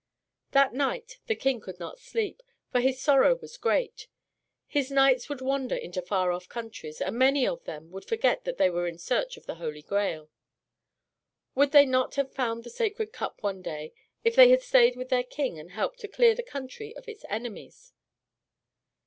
That night the King could not sleep, for his sorrow was great. His knights would wander into far off countries, and many of them would forget that they were in search of the Holy Grail. Would they not have found the Sacred Cup one day if they had stayed with their King and helped to clear the country of its enemies?